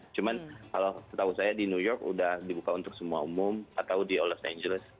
cuman kalau setahu saya di new york sudah dibuka untuk semua umum atau di los angeles